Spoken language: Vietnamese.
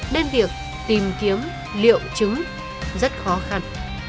nên việc tìm kiếm liệu chứng rất khó khăn